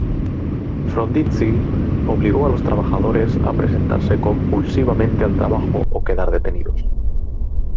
Frondizi obligó a los trabajadores a presentarse compulsivamente al trabajo o quedar detenidos.